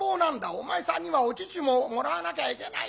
お前さんにはお乳ももらわなきゃいけないんですよ。